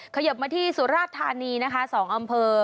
ขยบมาที่สุราชธานีนะคะ๒อำเภอ